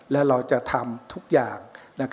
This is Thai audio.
และเราจะทำทุกอย่าง